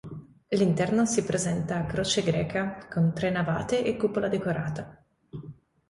L'interno si presenta a croce greca con tre navate e cupola decorata.